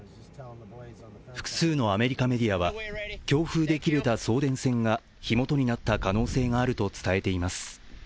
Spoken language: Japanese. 複数のアメリカメディアは強風で切れた送電線が火元になった可能性があると伝えています。